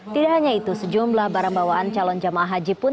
tidak hanya itu sejumlah barang bawaan calon jemaah haji pun